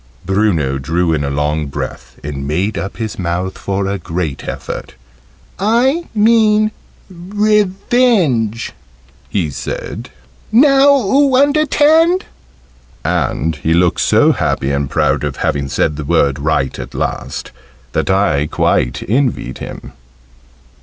Bruno drew in a long breath, and made up his mouth for a great effort. "I mean revenge," he said: "now oo under'tand." And he looked so happy and proud at having said the word right at last, that I quite envied him.